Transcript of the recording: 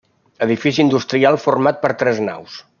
Edifici industrial format per tres naus.